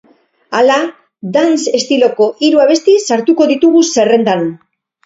Hala, dance estiloko hiru abesti sartuko ditugu zerrendan.